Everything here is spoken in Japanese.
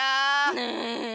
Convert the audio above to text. ねえ。